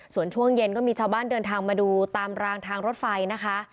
ส่วนช่วงเย็นก็มีชาวบ้านเดินทางมาดูตามรางทางรถไฟนะคะ